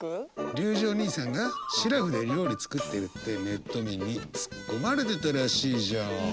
リュウジおにいさんがシラフで料理作ってるってネット民に突っ込まれてたらしいじゃん！